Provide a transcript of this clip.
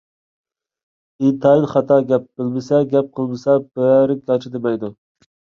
ئىنتايىن خاتا گەپ. بىلمىسە، گەپ قىلمىسا بىرەرى گاچا دېمەيدۇ.